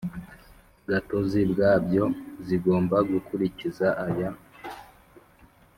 Gatozi bwabyo zigomba gukurikiza aya